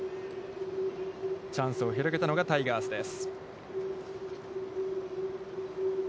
チャンスを広げたのがタイガースです。